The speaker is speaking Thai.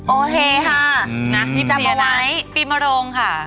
โอเคค่ะจำไว้